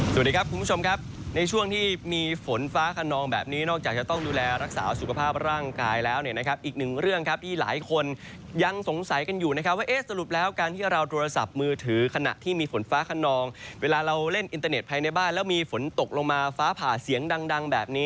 สวัสดีครับคุณผู้ชมครับในช่วงที่มีฝนฟ้าขนองแบบนี้นอกจากจะต้องดูแลรักษาสุขภาพร่างกายแล้วเนี่ยนะครับอีกหนึ่งเรื่องครับที่หลายคนยังสงสัยกันอยู่นะครับว่าเอ๊ะสรุปแล้วการที่เราโทรศัพท์มือถือขณะที่มีฝนฟ้าขนองเวลาเราเล่นอินเตอร์เน็ตภายในบ้านแล้วมีฝนตกลงมาฟ้าผ่าเสียงดังแบบนี้